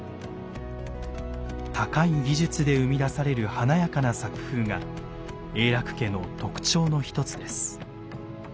高い技術で生み出される華やかな作風が永樂家の特徴の一つです。